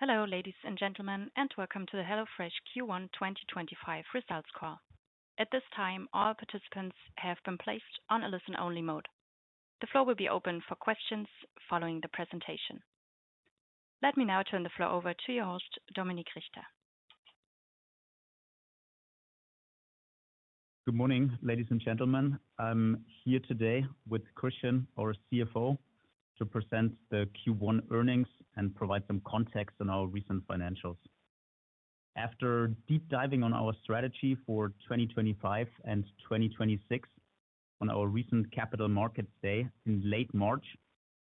Hello, ladies and gentlemen, and welcome to the HelloFresh Q1 2025 results call. At this time, all participants have been placed on a listen-only mode. The floor will be open for questions following the presentation. Let me now turn the floor over to your host, Dominik Richter. Good morning, ladies and gentlemen. I'm here today with Christian, our CFO, to present the Q1 earnings and provide some context on our recent financials. After deep diving on our strategy for 2025 and 2026 on our recent Capital Markets Day in late March,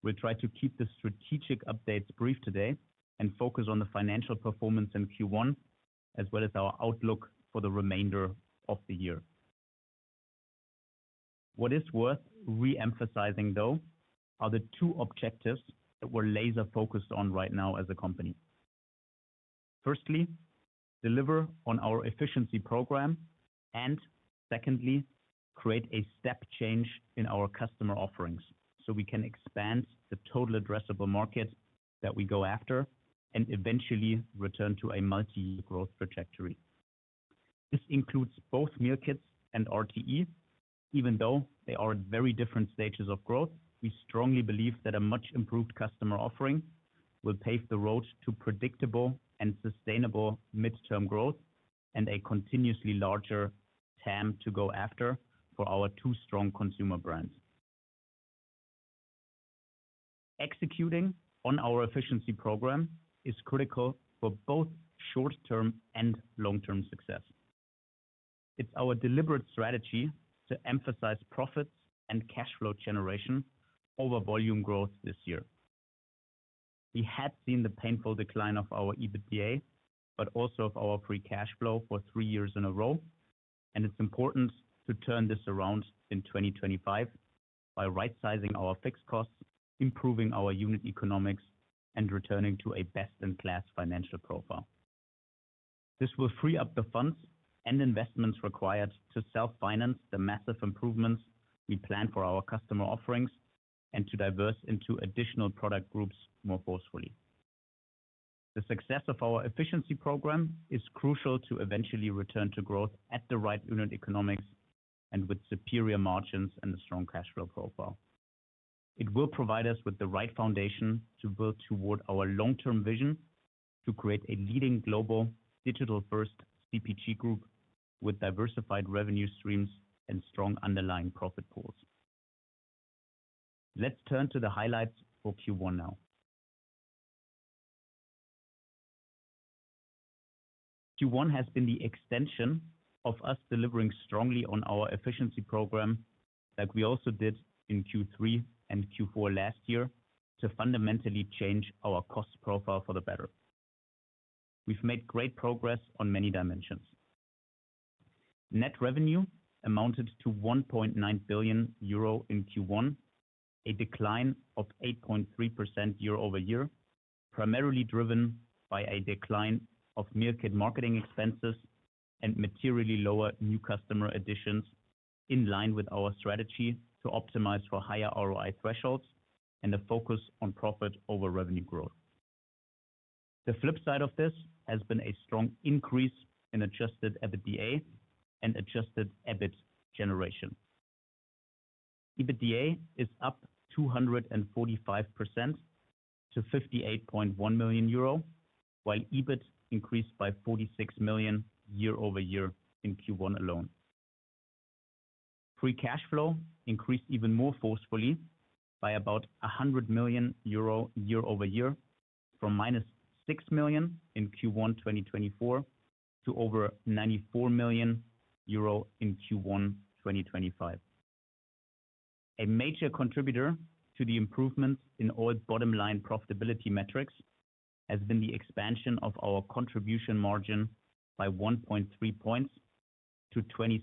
we'll try to keep the strategic updates brief today and focus on the financial performance in Q1, as well as our outlook for the remainder of the year. What is worth re-emphasizing, though, are the two objectives that we're laser-focused on right now as a company. Firstly, deliver on our efficiency program, and secondly, create a step change in our customer offerings so we can expand the total addressable market that we go after and eventually return to a multi-year growth trajectory. This includes both Meal Kits and RTEs. Even though they are at very different stages of growth, we strongly believe that a much-improved customer offering will pave the road to predictable and sustainable midterm growth and a continuously larger TAM to go after for our two strong consumer brands. Executing on our efficiency program is critical for both short-term and long-term success. It's our deliberate strategy to emphasize profits and cash flow generation over volume growth this year. We had seen the painful decline of our EBITDA, but also of our free cash flow for three years in a row, and it's important to turn this around in 2025 by right-sizing our fixed costs, improving our unit economics, and returning to a best-in-class financial profile. This will free up the funds and investments required to self-finance the massive improvements we plan for our customer offerings and to diverse into additional product groups more forcefully. The success of our efficiency program is crucial to eventually return to growth at the right unit economics and with superior margins and a strong cash flow profile. It will provide us with the right foundation to build toward our long-term vision to create a leading global digital-first CPG group with diversified revenue streams and strong underlying profit pools. Let's turn to the highlights for Q1 now. Q1 has been the extension of us delivering strongly on our efficiency program, like we also did in Q3 and Q4 last year, to fundamentally change our cost profile for the better. We've made great progress on many dimensions. Net revenue amounted to 1.9 billion euro in Q1, a decline of 8.3% year-over-year, primarily driven by a decline of Meal Kit marketing expenses and materially lower new customer additions, in line with our strategy to optimize for higher ROI thresholds and a focus on profit over revenue growth. The flip side of this has been a strong increase in adjusted EBITDA and adjusted EBIT generation. EBITDA is up 245% to 58.1 million euro, while EBIT increased by 46 million year-over-year in Q1 alone. Free cash flow increased even more forcefully by about 100 million euro year-over-year, from minus 6 million in Q1 2024 to over 94 million euro in Q1 2025. A major contributor to the improvements in our bottom-line profitability metrics has been the expansion of our contribution margin by 1.3 percentage points to 27%.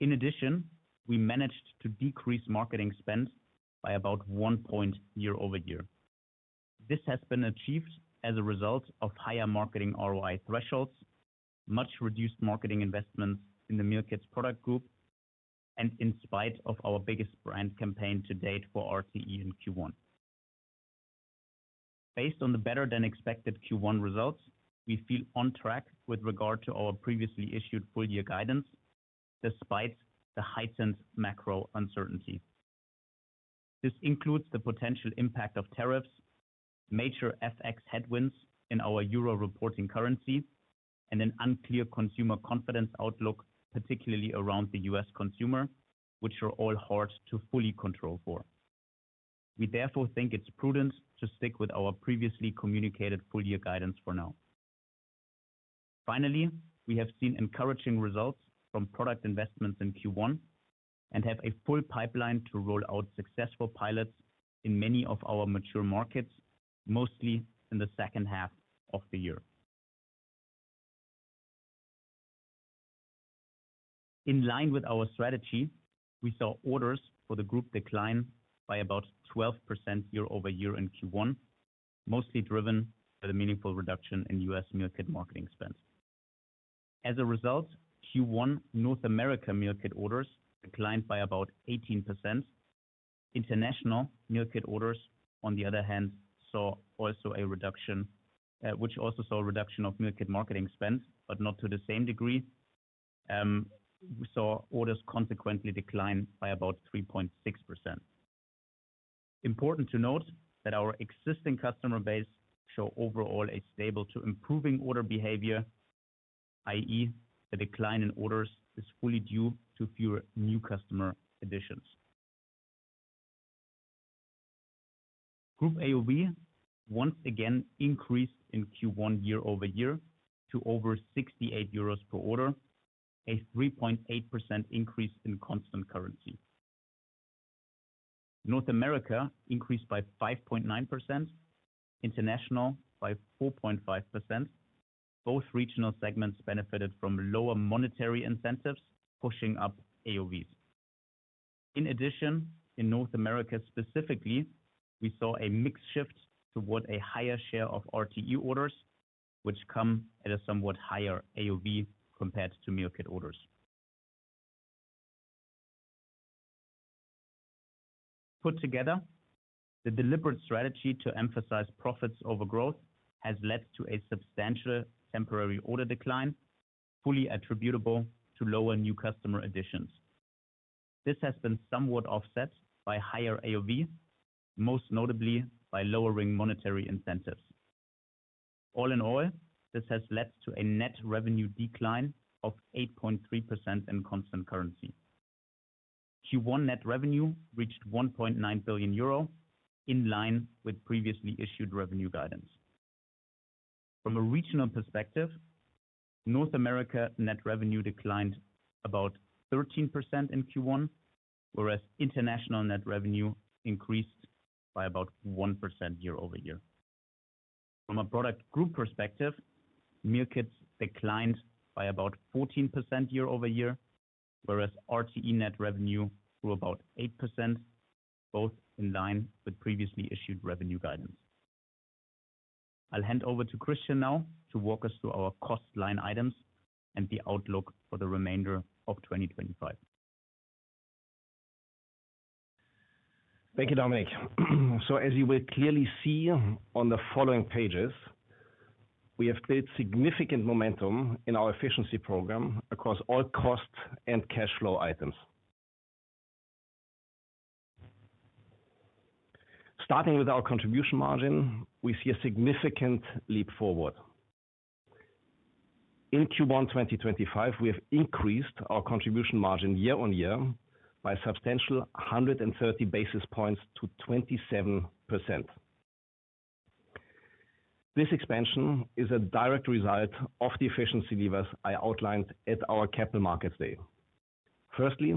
In addition, we managed to decrease marketing spend by about one percentage point year-over-year. This has been achieved as a result of higher marketing ROI thresholds, much-reduced marketing investments in the Meal Kits product group, and in spite of our biggest brand campaign to date for RTE in Q1. Based on the better-than-expected Q1 results, we feel on track with regard to our previously issued full-year guidance, despite the heightened macro uncertainty. This includes the potential impact of tariffs, major FX headwinds in our EUR reporting currency, and an unclear consumer confidence outlook, particularly around the U.S. consumer, which are all hard to fully control for. We therefore think it's prudent to stick with our previously communicated full-year guidance for now. Finally, we have seen encouraging results from product investments in Q1 and have a full pipeline to roll out successful pilots in many of our mature markets, mostly in the second half of the year. In line with our strategy, we saw orders for the group decline by about 12% year-over-year in Q1, mostly driven by the meaningful reduction in U.S. Meal Kit marketing spend. As a result, Q1 North America Meal Kit orders declined by about 18%. International Meal Kit orders, on the other hand, also saw a reduction, which also saw a reduction of Meal Kit marketing spend, but not to the same degree. We saw orders consequently decline by about 3.6%. Important to note that our existing customer base shows overall a stable to improving order behavior, i.e., the decline in orders is fully due to fewer new customer additions. Group AOV once again increased in Q1 year-over-year to over 68 euros per order, a 3.8% increase in constant currency. North America increased by 5.9%, international by 4.5%. Both regional segments benefited from lower monetary incentives, pushing up AOVs. In addition, in North America specifically, we saw a mixed shift toward a higher share of RTE orders, which come at a somewhat higher AOV compared to Meal Kit orders. Put together, the deliberate strategy to emphasize profits over growth has led to a substantial temporary order decline, fully attributable to lower new customer additions. This has been somewhat offset by higher AOVs, most notably by lowering monetary incentives. All in all, this has led to a net revenue decline of 8.3% in constant currency. Q1 net revenue reached 1.9 billion euro, in line with previously issued revenue guidance. From a regional perspective, North America net revenue declined about 13% in Q1, whereas international net revenue increased by about 1% year-over-year. From a product group perspective, Meal Kits declined by about 14% year-over-year, whereas RTE net revenue grew about 8%, both in line with previously issued revenue guidance. I'll hand over to Christian now to walk us through our cost line items and the outlook for the remainder of 2025. Thank you, Dominik. As you will clearly see on the following pages, we have built significant momentum in our efficiency program across all cost and cash flow items. Starting with our contribution margin, we see a significant leap forward. In Q1 2025, we have increased our contribution margin year-on-year by a substantial 130 basis points to 27%. This expansion is a direct result of the efficiency levers I outlined at our Capital Markets Day. Firstly,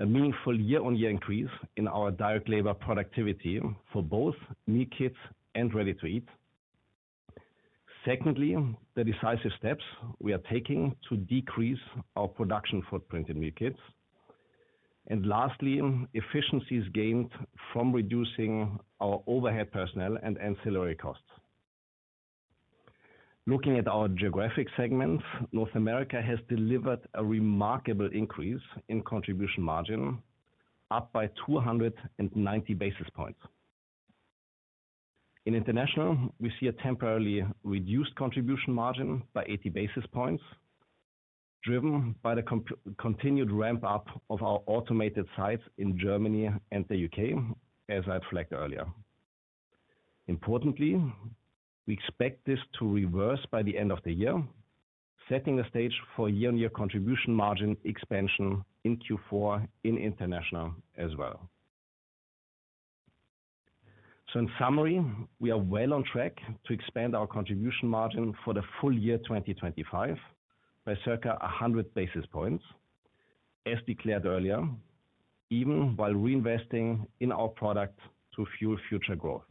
a meaningful year-on-year increase in our direct labor productivity for both Meal Kits and Ready-to-Eat. Secondly, the decisive steps we are taking to decrease our production footprint in Meal Kits. Lastly, efficiencies gained from reducing our overhead personnel and ancillary costs. Looking at our geographic segments, North America has delivered a remarkable increase in contribution margin, up by 290 basis points. In international, we see a temporarily-reduced contribution margin by 80 basis points, driven by the continued ramp-up of our automated sites in Germany and the U.K., as I've flagged earlier. Importantly, we expect this to reverse by the end of the year, setting the stage for year-on-year contribution margin expansion in Q4 in international as well. In summary, we are well on track to expand our contribution margin for the full year 2025 by circa 100 basis points, as declared earlier, even while reinvesting in our product to fuel future growth.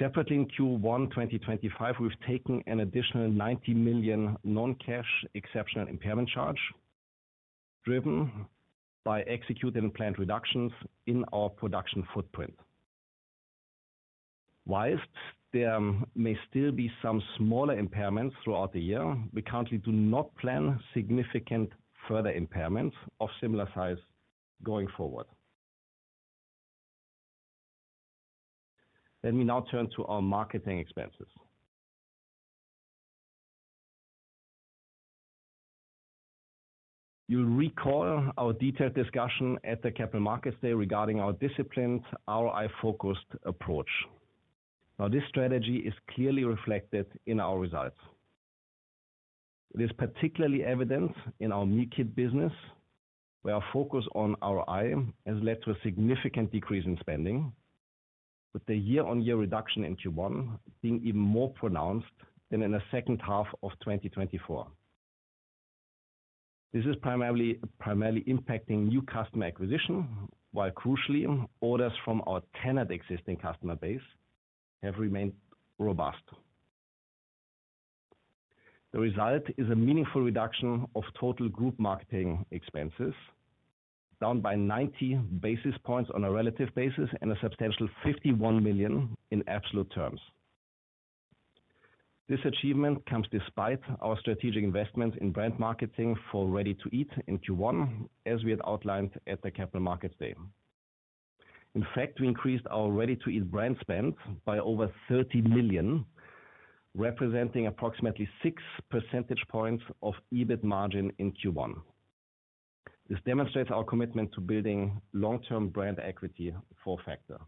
Separately, in Q1 2025, we've taken an additional 90 million non-cash exceptional impairment charge, driven by executed and planned reductions in our production footprint. Whilst there may still be some smaller impairments throughout the year, we currently do not plan significant further impairments of similar size going forward. Let me now turn to our marketing expenses. You'll recall our detailed discussion at the Capital Markets Day regarding our disciplined ROI-focused approach. Now, this strategy is clearly reflected in our results. It is particularly evident in our Meal Kit business, where our focus on ROI has led to a significant decrease in spending, with the year-on-year reduction in Q1 being even more pronounced than in the second half of 2024. This is primarily impacting new customer acquisition, while crucially, orders from our tenured existing customer base have remained robust. The result is a meaningful reduction of total group marketing expenses, down by 90 basis points on a relative basis and a substantial 51 million in absolute terms. This achievement comes despite our strategic investments in brand marketing for Ready-to-Eat in Q1, as we had outlined at the Capital Markets Day. In fact, we increased our Ready-to-Eat brand spend by over 30 million, representing approximately 6 percentage points of EBIT margin in Q1. This demonstrates our commitment to building long-term brand equity for Factor.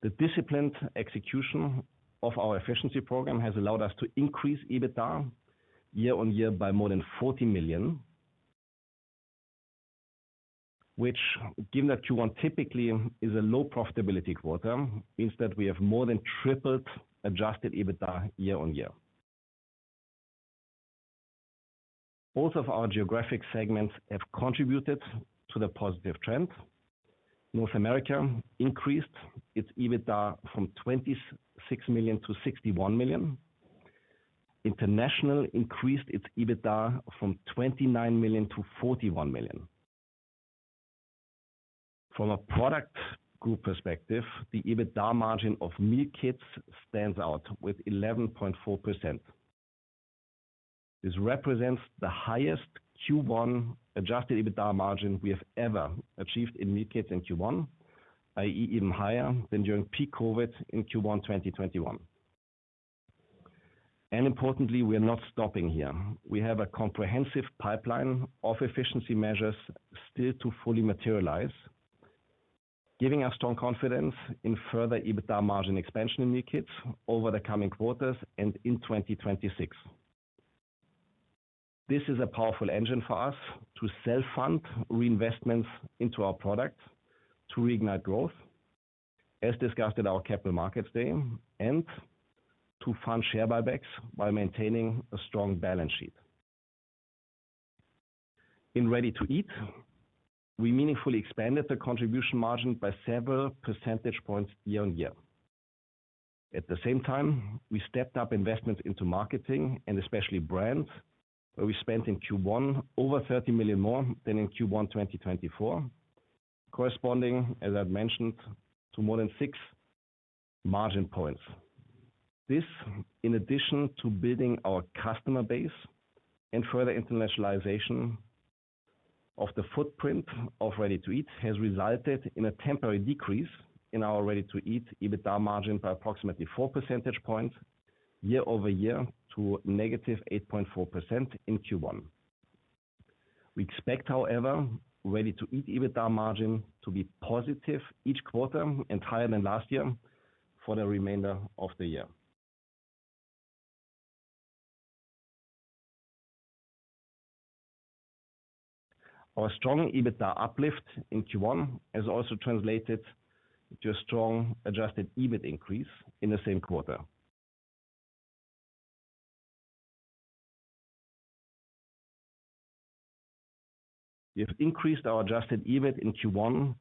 The disciplined execution of our efficiency program has allowed us to increase EBITDA year-on-year by more than 40 million, which, given that Q1 typically is a low profitability quarter, means that we have more than tripled adjusted EBITDA year-on-year. Both of our geographic segments have contributed to the positive trend. North America increased its EBITDA from 26 million to 61 million. International increased its EBITDA from 29 million to 41 million. From a product group perspective, the EBITDA margin of Meal Kits stands out with 11.4%. This represents the highest Q1 adjusted EBITDA margin we have ever achieved in Meal Kits in Q1, i.e., even higher than during peak COVID in Q1 2021. Importantly, we are not stopping here. We have a comprehensive pipeline of efficiency measures still to fully materialize, giving us strong confidence in further EBITDA margin expansion in Meal Kits over the coming quarters and in 2026. This is a powerful engine for us to self-fund reinvestments into our product to reignite growth, as discussed at our Capital Markets Day, and to fund share buybacks while maintaining a strong balance sheet. In Ready-to-Eat, we meaningfully expanded the contribution margin by several percentage points year-on-year. At the same time, we stepped up investments into marketing and especially brands, where we spent in Q1 over 30 million more than in Q1 2024, corresponding, as I have mentioned, to more than six margin points. This, in addition to building our customer base and further internationalization of the footprint of Ready-to-Eat, has resulted in a temporary decrease in our Ready-to-Eat EBITDA margin by approximately 4 percentage points year-over-year to -8.4% in Q1. We expect, however, Ready-to-Eat EBITDA margin to be positive each quarter and higher than last year for the remainder of the year. Our strong EBITDA uplift in Q1 has also translated to a strong adjusted EBIT increase in the same quarter. We have increased our adjusted EBIT in Q1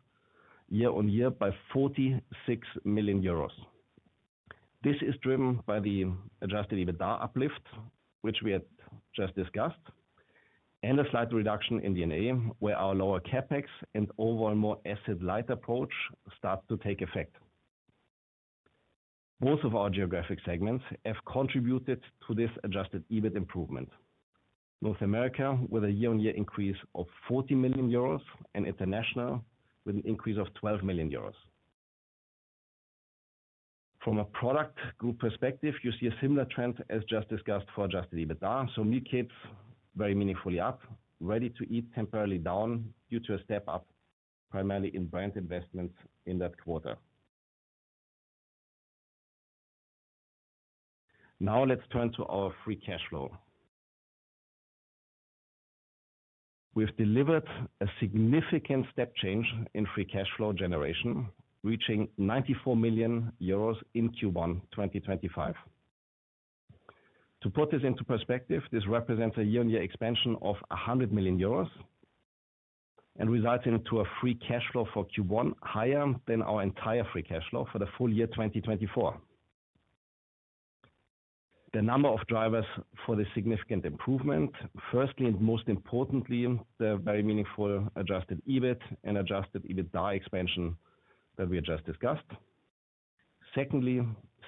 year-on-year by 46 million euros. This is driven by the adjusted EBITDA uplift, which we have just discussed, and a slight reduction in D&A, where our lower CapEx and overall more asset-light approach start to take effect. Both of our geographic segments have contributed to this adjusted EBIT improvement: North America, with a year-on-year increase of 40 million euros, and international, with an increase of 12 million euros. From a product group perspective, you see a similar trend as just discussed for adjusted EBITDA. Meal Kits very meaningfully up, Ready-to-Eat temporarily down due to a step-up primarily in brand investments in that quarter. Now, let's turn to our free cash flow. We have delivered a significant step change in free cash flow generation, reaching 94 million euros in Q1 2025. To put this into perspective, this represents a year-on-year expansion of 100 million euros and results in a free cash flow for Q1 higher than our entire free cash flow for the full year 2024. The number of drivers for this significant improvement, firstly and most importantly, the very meaningful adjusted EBIT and adjusted EBITDA expansion that we had just discussed. Secondly,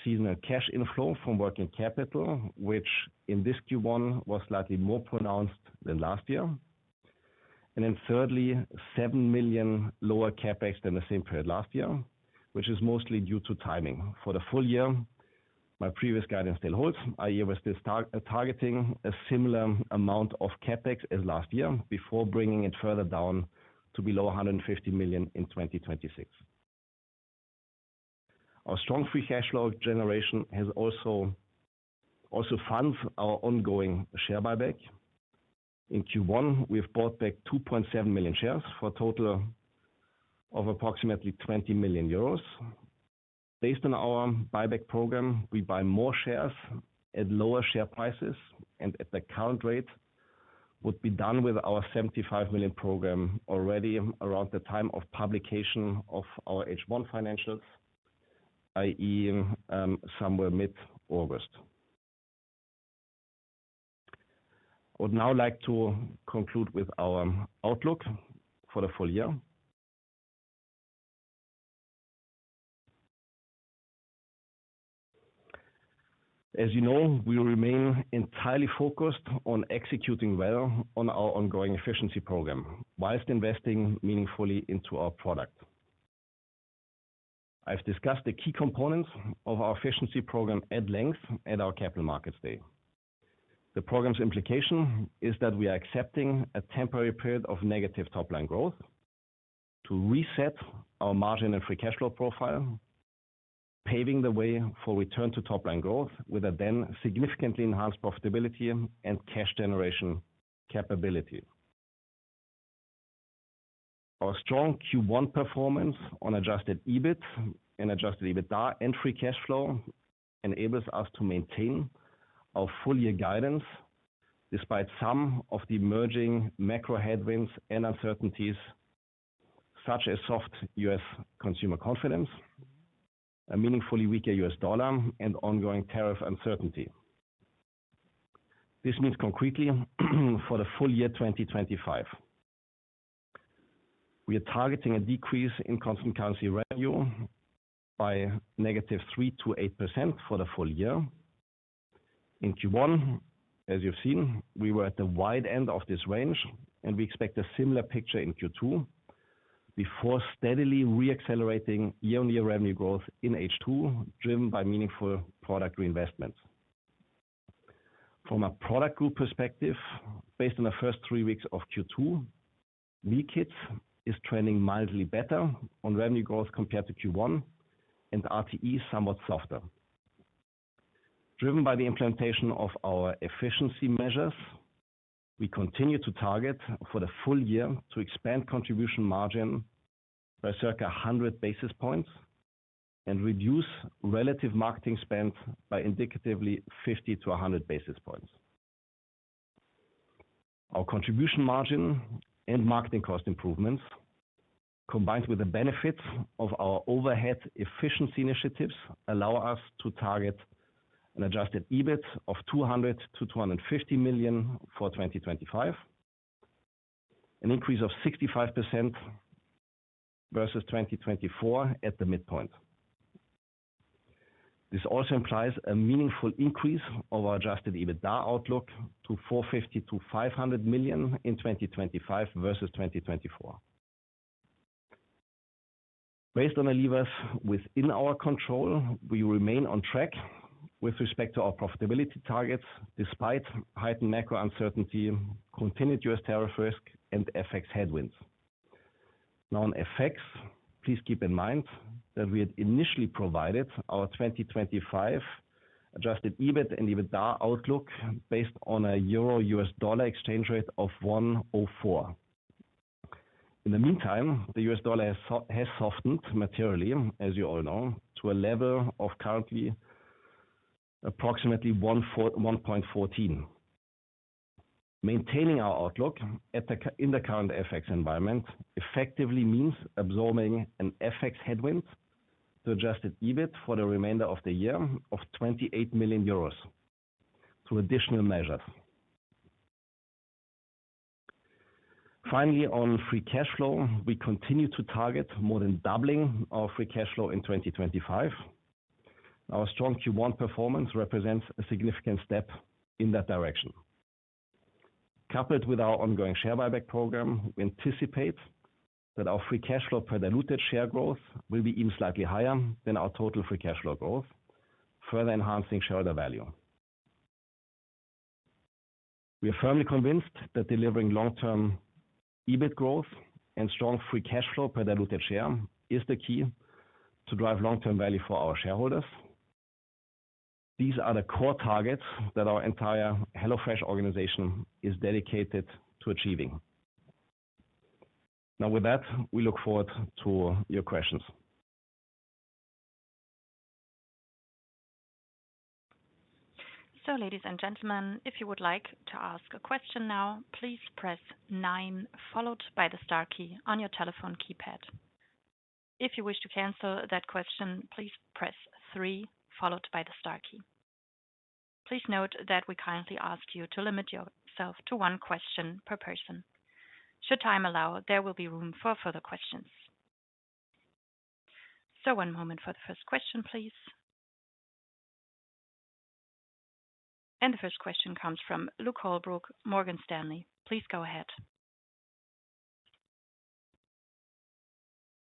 seasonal cash inflow from working capital, which in this Q1 was slightly more pronounced than last year. Thirdly, 7 million lower CapEx than the same period last year, which is mostly due to timing. For the full year, my previous guidance still holds. I was still targeting a similar amount of CapEx as last year before bringing it further down to below 150 million in 2026. Our strong free cash flow generation has also funds our ongoing share buyback. In Q1, we have bought back 2.7 million shares for a total of approximately 20 million euros. Based on our buyback program, we buy more shares at lower share prices, and at the current rate, would be done with our 75 million program already around the time of publication of our H1 financials, i.e., somewhere mid-August. I would now like to conclude with our outlook for the full year. As you know, we remain entirely focused on executing well on our ongoing efficiency program, whilst investing meaningfully into our product. I've discussed the key components of our efficiency program at length at our Capital Markets Day. The program's implication is that we are accepting a temporary period of negative top-line growth to reset our margin and free cash flow profile, paving the way for return to top-line growth with a then significantly enhanced profitability and cash generation capability. Our strong Q1 performance on adjusted EBIT and adjusted EBITDA and free cash flow enables us to maintain our full-year guidance despite some of the emerging macro headwinds and uncertainties such as soft U.S. consumer confidence, a meaningfully weaker U.S. dollar, and ongoing tariff uncertainty. This means concretely for the full year 2025. We are targeting a decrease in constant currency revenue by -3% to 8% for the full year. In Q1, as you've seen, we were at the wide end of this range, and we expect a similar picture in Q2 before steadily re-accelerating year-on-year revenue growth in H2, driven by meaningful product reinvestments. From a product group perspective, based on the first three weeks of Q2, Meal Kits is trending mildly better on revenue growth compared to Q1, and RTE is somewhat softer. Driven by the implementation of our efficiency measures, we continue to target for the full year to expand contribution margin by circa 100 basis points and reduce relative marketing spend by indicatively 50-100 basis points. Our contribution margin and marketing cost improvements, combined with the benefits of our overhead efficiency initiatives, allow us to target an adjusted EBIT of 200-250 million for 2025, an increase of 65% versus 2024 at the midpoint. This also implies a meaningful increase of our adjusted EBITDA outlook to 450 million to 500 million in 2025 versus 2024. Based on the levers within our control, we remain on track with respect to our profitability targets despite heightened macro uncertainty, continued U.S. tariff risk, and FX headwinds. Now, on FX, please keep in mind that we had initially provided our 2025 adjusted EBIT and EBITDA outlook based on a EUR 1.04/U.S. dollar exchange rate. In the meantime, the U.S. dollar has softened materially, as you all know, to a level of currently approximately 1.14. Maintaining our outlook in the current FX environment effectively means absorbing an FX headwind to adjusted EBIT for the remainder of the year of 28 million euros through additional measures. Finally, on free cash flow, we continue to target more than doubling our free cash flow in 2025. Our strong Q1 performance represents a significant step in that direction. Coupled with our ongoing share buyback program, we anticipate that our free cash flow per diluted share growth will be even slightly higher than our total free cash flow growth, further enhancing shareholder value. We are firmly convinced that delivering long-term EBIT growth and strong free cash flow per diluted share is the key to drive long-term value for our shareholders. These are the core targets that our entire HelloFresh organization is dedicated to achieving. Now, with that, we look forward to your questions. Ladies and gentlemen, if you would like to ask a question now, please press nine, followed by the star key on your telephone keypad. If you wish to cancel that question, please press three, followed by the star key. Please note that we kindly ask you to limit yourself to one question per person. Should time allow, there will be room for further questions. One moment for the first question, please. The first question comes from Luke Holbrook, Morgan Stanley. Please go ahead.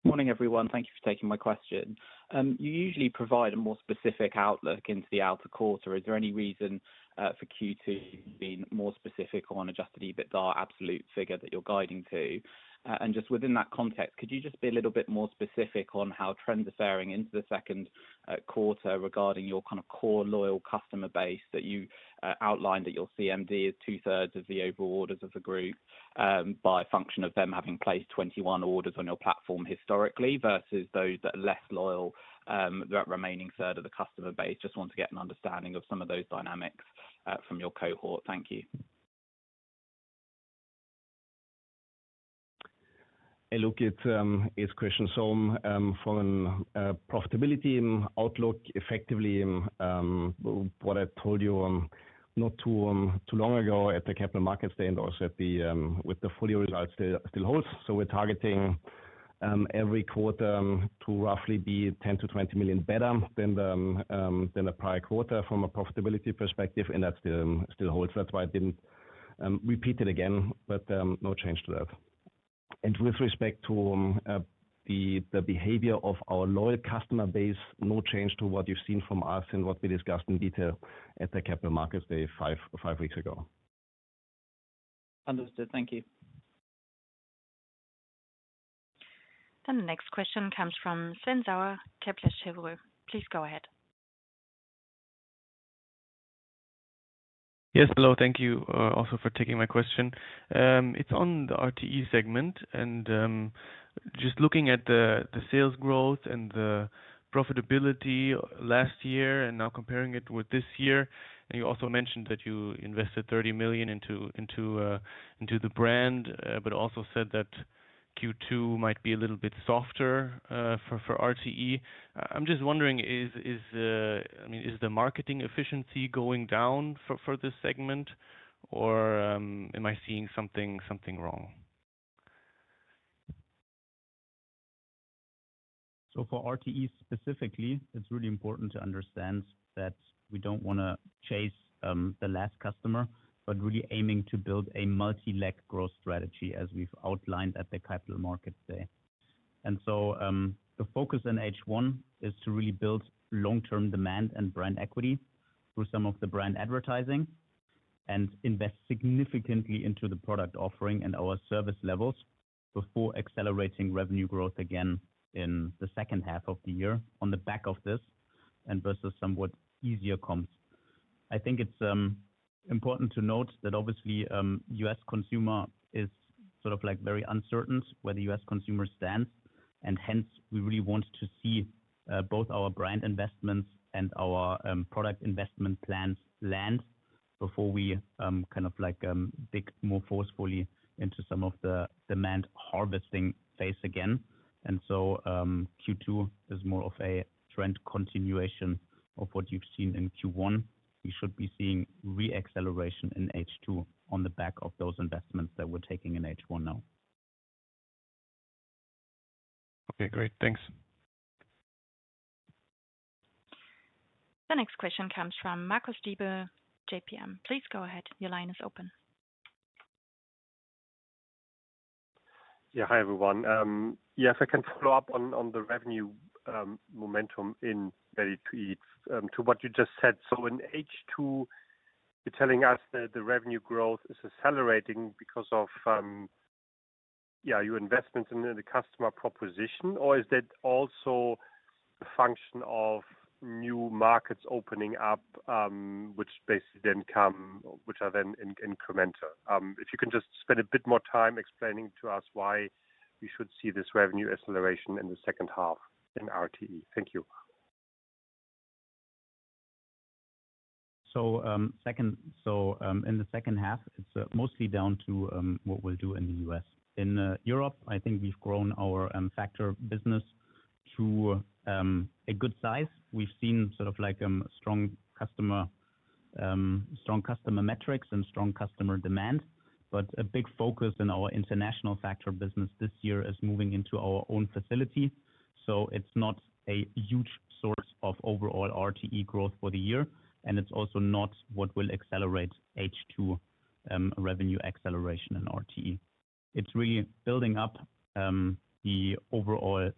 Morning, everyone. Thank you for taking my question. You usually provide a more specific outlook into the outer quarter. Is there any reason for Q2 to be more specific on adjusted EBITDA, absolute figure that you're guiding to? Just within that context, could you just be a little bit more specific on how trends are faring into the second quarter regarding your kind of core loyal customer base that you outlined that your CMD is 2/3 of the overall orders of the group by function of them having placed 21 orders on your platform historically versus those that are less loyal, that remaining third of the customer base. Just want to get an understanding of some of those dynamics from your cohort. Thank you. Hey, Luke, it's Christian. From a profitability outlook, effectively, what I told you not too long ago at the Capital Markets Day and also with the full-year results still holds. We're targeting every quarter to roughly be 10 million-20 million better than the prior quarter from a profitability perspective, and that still holds. That's why I didn't repeat it again, but no change to that. With respect to the behavior of our loyal customer base, no change to what you've seen from us and what we discussed in detail at the Capital Markets Day five weeks ago. Understood. Thank you. The next question comes from Sven Sauer, Kepler Cheuvreux. Please go ahead. Yes. Hello. Thank you also for taking my question. It's on the RTE segment. Just looking at the sales growth and the profitability last year and now comparing it with this year, and you also mentioned that you invested 30 million into the brand, but also said that Q2 might be a little bit softer for RTE. I'm just wondering, I mean, is the marketing efficiency going down for this segment, or am I seeing something wrong? For RTE specifically, it's really important to understand that we don't want to chase the last customer, but really aiming to build a multi-leg growth strategy, as we've outlined at the Capital Markets Day. The focus in H1 is to really build long-term demand and brand equity through some of the brand advertising and invest significantly into the product offering and our service levels before accelerating revenue growth again in the second half of the year on the back of this and versus somewhat easier comps. I think it's important to note that obviously U.S. consumer is sort of very uncertain where the U.S. consumer stands, and hence we really want to see both our brand investments and our product investment plans land before we kind of dig more forcefully into some of the demand harvesting phase again. Q2 is more of a trend continuation of what you've seen in Q1. We should be seeing re-acceleration in H2 on the back of those investments that we're taking in H1 now. Okay. Great. Thanks. The next question comes from Marcus Diebel, JPMorgan. Please go ahead. Your line is open. Yeah. Hi, everyone. Yes, I can follow up on the revenue momentum in relative to what you just said. In H2, you're telling us that the revenue growth is accelerating because of your investments in the customer proposition, or is that also a function of new markets opening up, which basically then come, which are then incremental? If you can just spend a bit more time explaining to us why you should see this revenue acceleration in the second half in RTE. Thank you. In the second half, it's mostly down to what we'll do in the U.S. In Europe, I think we've grown our Factor business to a good size. We've seen sort of strong customer metrics and strong customer demand, but a big focus in our international Factor business this year is moving into our own facility. It's not a huge source of overall RTE growth for the year, and it's also not what will accelerate H2 revenue acceleration in RTE. It's really building up the overall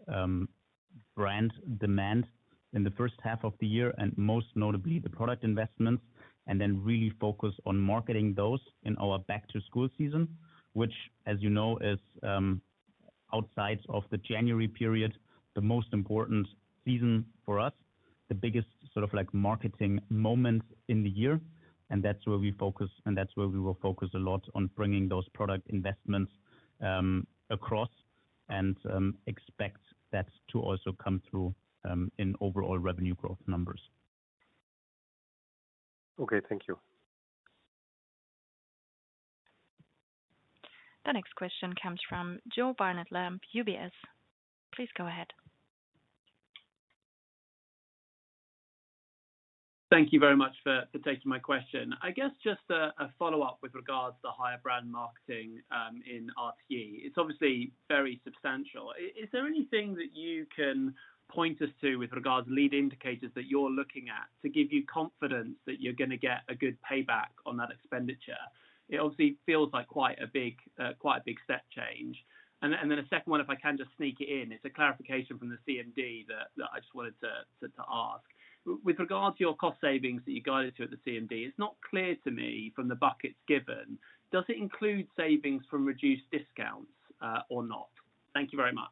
brand demand in the first half of the year and most notably the product investments, and then really focus on marketing those in our back-to-school season, which, as you know, is outside of the January period, the most important season for us, the biggest sort of marketing moment in the year. That is where we focus, and that is where we will focus a lot on bringing those product investments across and expect that to also come through in overall revenue growth numbers. Okay. Thank you. The next question comes from Jo Barnet-Lamb, UBS. Please go ahead. Thank you very much for taking my question. I guess just a follow-up with regards to the higher brand marketing in RTE. It's obviously very substantial. Is there anything that you can point us to with regards to lead indicators that you're looking at to give you confidence that you're going to get a good payback on that expenditure? It obviously feels like quite a big step change. A second one, if I can just sneak it in, it's a clarification from the CMD that I just wanted to ask. With regards to your cost savings that you guided to at the CMD, it's not clear to me from the buckets given, does it include savings from reduced discounts or not? Thank you very much.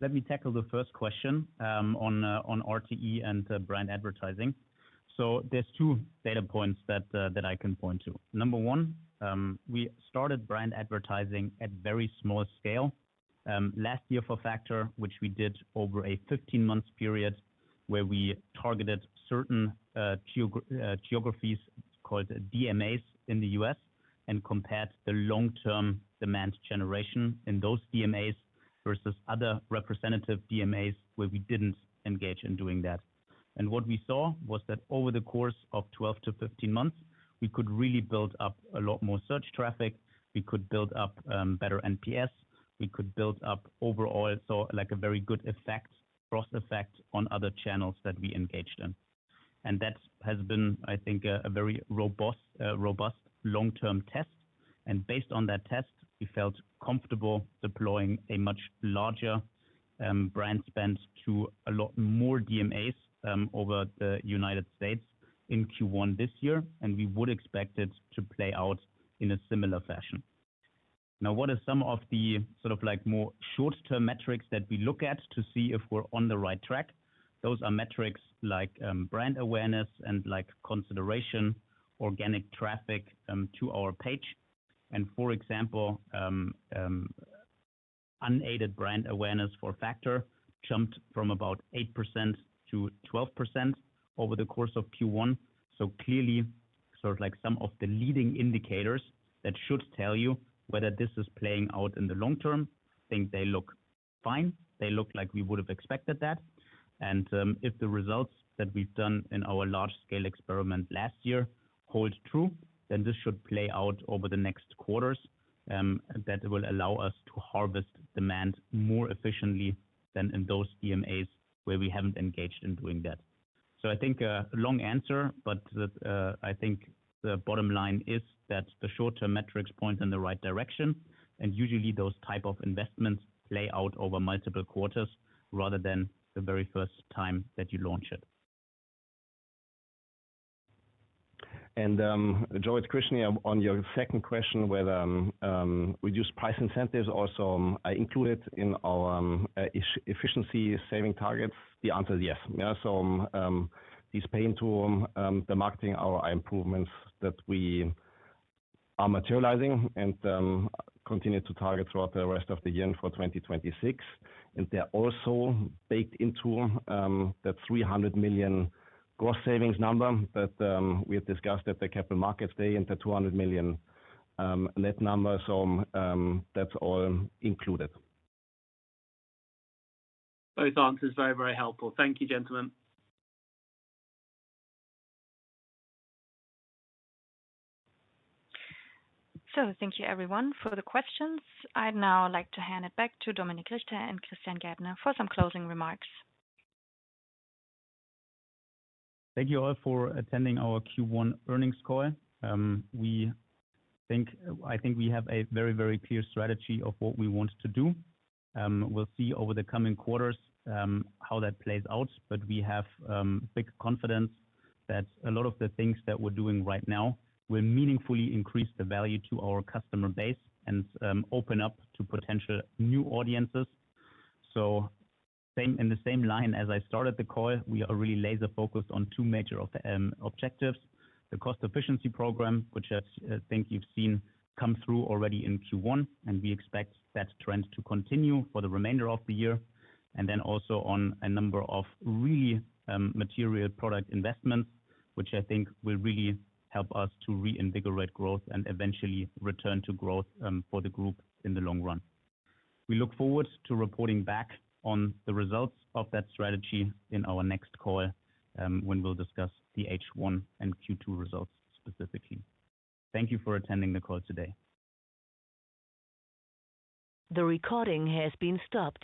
Let me tackle the first question on RTE and brand advertising. There are two data points that I can point to. Number one, we started brand advertising at very small scale. Last year for Factor, which we did over a 15-month period where we targeted certain geographies called DMAs in the U.S. and compared the long-term demand generation in those DMAs versus other representative DMAs where we did not engage in doing that. What we saw was that over the course of 12 months-15 months, we could really build up a lot more search traffic. We could build up better NPS. We could build up overall, so a very good cross-effect on other channels that we engaged in. That has been, I think, a very robust long-term test. Based on that test, we felt comfortable deploying a much larger brand spend to a lot more DMAs over the United States in Q1 this year, and we would expect it to play out in a similar fashion. Now, what are some of the sort of more short-term metrics that we look at to see if we're on the right track? Those are metrics like brand awareness and consideration, organic traffic to our page. For example, unaided brand awareness for Factor jumped from about 8% to 12% over the course of Q1. Clearly, sort of some of the leading indicators that should tell you whether this is playing out in the long term, I think they look fine. They look like we would have expected that. If the results that we've done in our large-scale experiment last year hold true, then this should play out over the next quarters that will allow us to harvest demand more efficiently than in those DMAs where we haven't engaged in doing that. I think a long answer, but I think the bottom line is that the short-term metrics point in the right direction, and usually those types of investments play out over multiple quarters rather than the very first time that you launch it. Jo, it's Christian here on your second question whether reduced price incentives also included in our efficiency saving targets. The answer is yes. These pain to the marketing are improvements that we are materializing and continue to target throughout the rest of the year for 2026. They're also baked into that 300 million gross savings number that we had discussed at the Capital Markets Day and the 200 million net number. That's all included. Those answers are very, very helpful. Thank you, gentlemen. Thank you, everyone, for the questions. I'd now like to hand it back to Dominik Richter and Christian Gärtner for some closing remarks. Thank you all for attending our Q1 earnings call. I think we have a very, very clear strategy of what we want to do. We'll see over the coming quarters how that plays out, but we have big confidence that a lot of the things that we're doing right now will meaningfully increase the value to our customer base and open up to potential new audiences. In the same line as I started the call, we are really laser-focused on two major objectives: the cost efficiency program, which I think you've seen come through already in Q1, and we expect that trend to continue for the remainder of the year, and then also on a number of really material product investments, which I think will really help us to reinvigorate growth and eventually return to growth for the group in the long run. We look forward to reporting back on the results of that strategy in our next call when we'll discuss the H1 and Q2 results specifically. Thank you for attending the call today. The recording has been stopped.